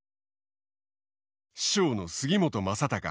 師匠の杉本昌隆八段。